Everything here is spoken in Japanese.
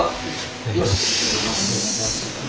いただきます。